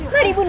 mari ibu nda